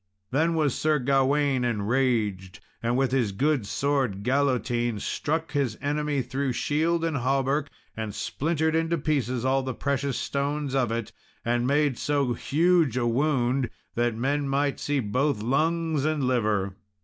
Then was Sir Gawain enraged, and with his good sword Galotine struck his enerny through shield and hauberk, and splintered into pieces all the precious stones of it, and made so huge a wound that men might see both lungs and liver.